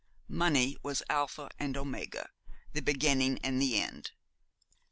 Money was Alpha and Omega, the beginning and the end.